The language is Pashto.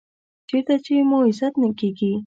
چېرته چې مو عزت نه کېږي .